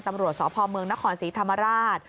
ตำรวจสพเมืองนครศรีธรรมราช